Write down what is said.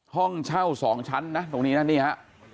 ห้องเช่า๒ชั้นนะตรงนี้นะนี่ฮะ